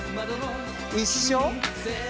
「一生」？